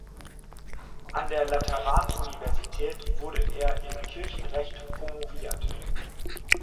An der Lateranuniversität wurde er in Kirchenrecht promoviert.